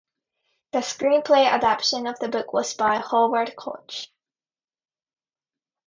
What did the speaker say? The screenplay adaptation of the book was by Howard Koch.